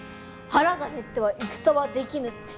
「腹が減っては戦はできぬ」って。